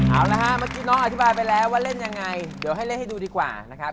เอาละฮะเมื่อกี้น้องอธิบายไปแล้วว่าเล่นยังไงเดี๋ยวให้เล่นให้ดูดีกว่านะครับ